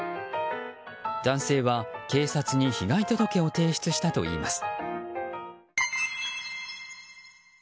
男性は警察に被害届を提出したといいます。